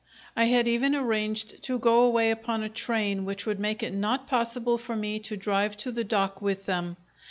I had even arranged to go away upon a train which would make it not possible for me to drive to the dock with them.